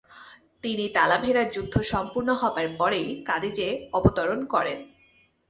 তিনি তালাভেরার যুদ্ধ সম্পূর্ণ হবার পরেই কাদিয এ অবতরণ করেন।